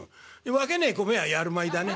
分けねえ米はやる米だね。